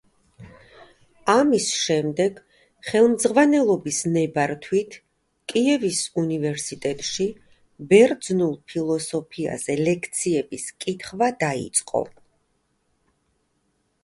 ამის შემდეგ, ხელმძღვანელობის ნებართვით, კიევის უნივერსიტეტში ბერძნულ ფილოსოფიაზე ლექციების კითხვა დაიწყო.